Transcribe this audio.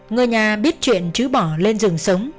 người nhà biết chuyện chứ bỏ lên rừng sống